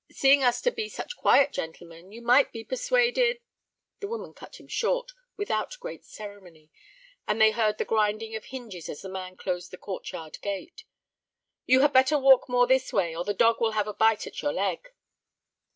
Seeing us to be such quiet gentlemen, you might be persuaded—" The woman cut him short without great ceremony, and they heard the grinding of hinges as the man closed the court yard gate. "You had better walk more this way or the dog will have a bite at your leg."